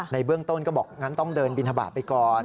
ในเบื้องต้นก็บอกงั้นต้องเดินบินทบาทไปก่อน